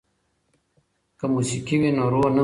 که موسیقي وي نو روح نه مري.